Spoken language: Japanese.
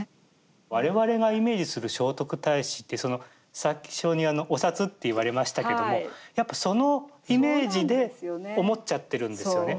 我々がイメージする聖徳太子ってさっきお札って言われましたけどもやっぱそのイメージで思っちゃってるんですよね。